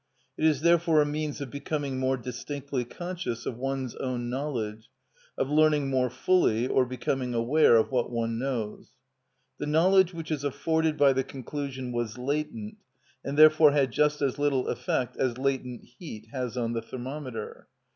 It is therefore a means of becoming more distinctly conscious of one's own knowledge, of learning more fully, or becoming aware of what one knows. The knowledge which is afforded by the conclusion was latent, and therefore had just as little effect as latent heat has on the thermometer.